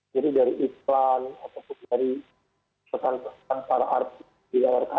jadi dari iklan atau dari pesan pesan para artis di rrh